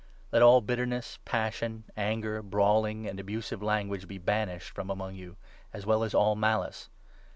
'Let all bitterness, passion, anger, 31 brawling, and abusive language be banished from among you, as well as all malice.